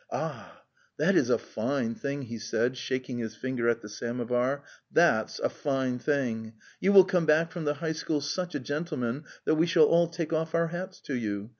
"Ah, that is a fine thing," he said, shaking his finger at the samovar. '' That's a fine thing. You will come back from the high school such a gentle man that we shall all take off our hats to you.